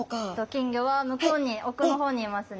金魚は向こうに奥の方にいますね。